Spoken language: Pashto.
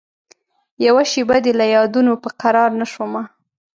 یوه شېبه دي له یادونوپه قرارنه شومه